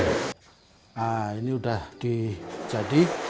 nah ini sudah dijadi